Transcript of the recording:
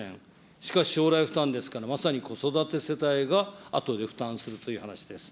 しかし将来負担ですから、まさに子育て世帯があとで負担するという話です。